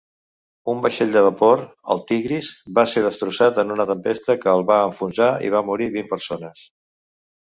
Un vaixell de vapor, el "Tigris", va ser destrossat en una tempesta que el va enfonsar i van morir vint persones.